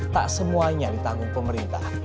tak semuanya ditanggung pemerintah